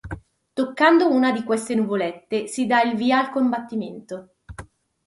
Toccando una di queste nuvolette si dà il via al combattimento.